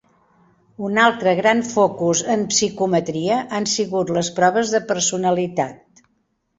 Un altre gran focus en psicometria han sigut les proves de personalitat.